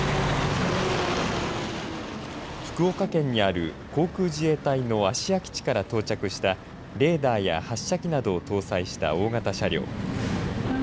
福岡県にある航空自衛隊の芦屋基地から到着したレーダーや発射機などを搭載した大型車両。